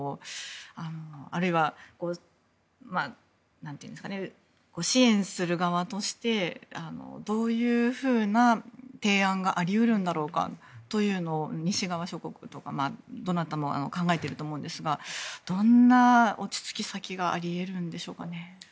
あるいは、支援する側としてどういうふうな提案があり得るんだろうかというのを西側諸国とか、どなたも考えていると思うんですがどんな落ち着き先があり得るんでしょうかね。